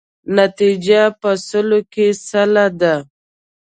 نتیجه په سلو کې سل ده.